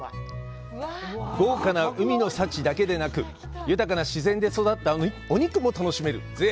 豪華な海の幸だけでなく、豊かな自然で育ったお肉も楽しめる、ぜ